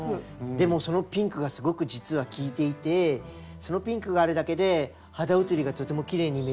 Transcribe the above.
でもそのピンクがすごく実は効いていてそのピンクがあるだけで肌映りがとてもきれいに見える